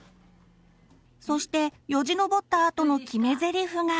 そしてよじのぼったあとの決めぜりふが。